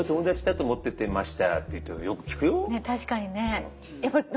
え確かにね。